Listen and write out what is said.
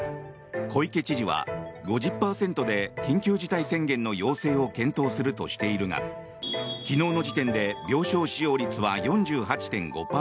小池知事は５０％で緊急事態宣言の要請を検討するとしているが昨日の時点で病床使用率は４８．５％。